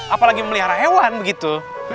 apalagi melihara hewan begitu